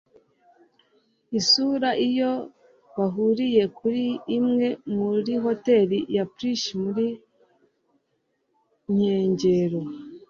isura iyo bahuriye kuri imwe muri hoteri ya plush mu nkengero